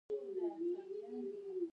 دوی تخنیکي او مالي مرستې کولې.